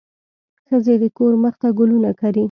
ښځې د کور مخ ته ګلونه کري.